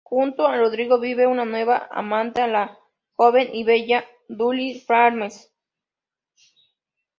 Junto a Rodrigo vive su nueva amante, la joven y bella Giulia Farnese.